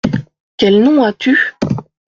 Quel nom as-tu ?